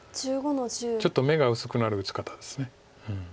ちょっと眼が薄くなる打ち方です。